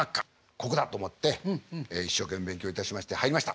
ここだと思って一生懸命勉強いたしまして入りました。